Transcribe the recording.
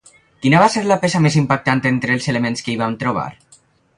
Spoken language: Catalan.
Quina va ser la peça més impactant entre els elements que hi van trobar?